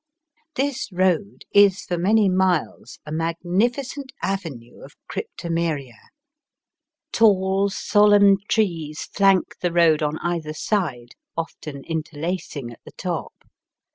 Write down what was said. This road is for many miles a magnificent avenue of cryptomeria. Tall solemn trees flank the road on either side, often interlacing at the top.